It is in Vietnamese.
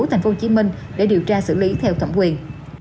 tp hcm để điều tra xử lý theo thẩm quyền